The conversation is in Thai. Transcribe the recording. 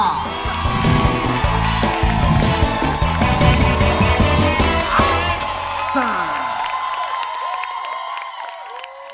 ร้องได้ยกกำลังซ่า